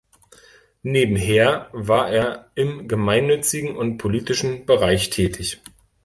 Nebenher war er im gemeinnützigen und politischen bereich tätig.